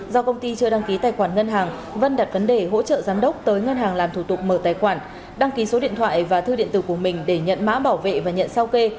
do công ty chưa đăng ký tài khoản ngân hàng vân đặt vấn đề hỗ trợ giám đốc tới ngân hàng làm thủ tục mở tài khoản đăng ký số điện thoại và thư điện tử của mình để nhận mã bảo vệ và nhận sao kê